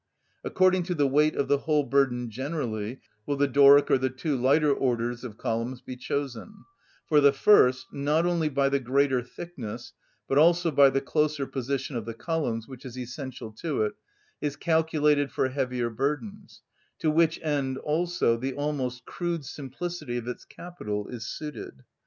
According to the weight of the whole burden generally will the Doric or the two lighter orders of columns be chosen, for the first, not only by the greater thickness, but also by the closer position of the columns, which is essential to it, is calculated for heavier burdens, to which end also the almost crude simplicity of its capital is suited.